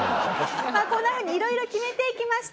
こんなふうに色々決めていきました。